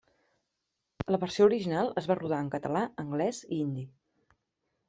La versió original es va rodar en català, anglès i hindi.